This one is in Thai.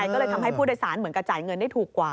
ก็เลยทำให้ผู้โดยสารเหมือนกับจ่ายเงินได้ถูกกว่า